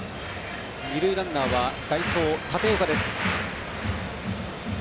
二塁ランナーは代走、立岡です。